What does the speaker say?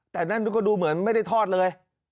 แต่นั่นก็ดูเหมือนไม่ได้ทอดเลย